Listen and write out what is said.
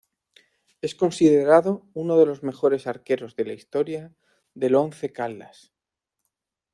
Es considerado uno de los mejores arqueros de la historia del Once Caldas.